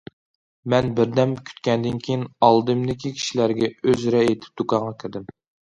مەن بىردەم كۈتكەندىن كېيىن، ئالدىمدىكى كىشىلەرگە ئۆزرە ئېيتىپ دۇكانغا كىردىم.